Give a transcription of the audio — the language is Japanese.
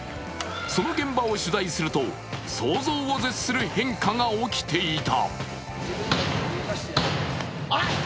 その現場を取材すると想像を絶する変化が起きていた。